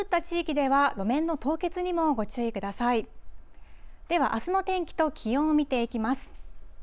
ではあすの天気と気温を見ていきます。